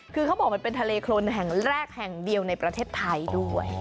คือเขาบอกมันเป็นทะเลโครนแห่งแรกแห่งเดียวในประเทศไทยด้วย